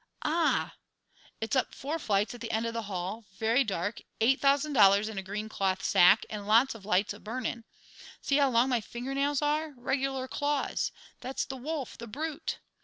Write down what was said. Ah! It's up four flights at the end of the hall, very dark, eight thousand dollars in a green cloth sack, and lots of lights a burning. See how long my finger nails are regular claws; that's the wolf, the brute!